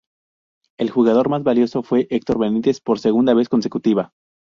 El jugador más valiosos fue Hector Benítez por segunda vez consecutiva.